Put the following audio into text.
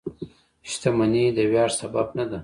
• شتمني د ویاړ سبب نه ده.